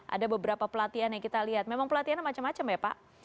ada beberapa pelatihan yang kita lihat memang pelatihannya macam macam ya pak